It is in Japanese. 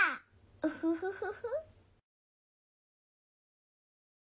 ウフフフフ！